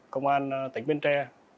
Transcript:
công an tỉnh bến tre